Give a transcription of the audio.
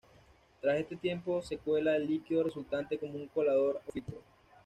Tras este tiempo, se cuela el líquido resultante con un colador o filtro.